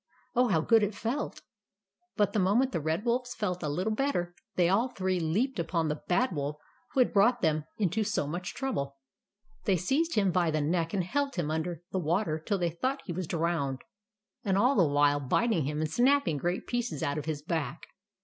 Oh, how good it felt ! But the moment the Red Wolves felt a little better, they all three leaped upon the Bad Wolf, who had brought them into so much trouble. They seized him by the 156 THE ADVENTURES OF MABEL neck and held him under the water till they thought he was drowned, all the while bit ing him and snapping great pieces out of his back.